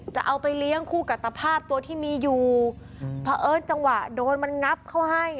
จะเอาไปเลี้ยงคู่กับตภาพตัวที่มีอยู่เพราะเอิ้นจังหวะโดนมันงับเขาให้